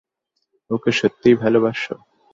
ওকে সত্যিই ভালোবাসো?